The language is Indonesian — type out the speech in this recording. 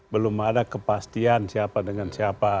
belum ada kepastian siapa dengan siapa